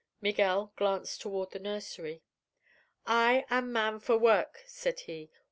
Miguel glanced toward the nursery. "I am man for work," said he.